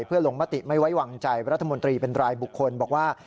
เพื่อลงมติไม่ไว้วางใจรัฐมนตรีเป็นรายบุคคลบอกว่า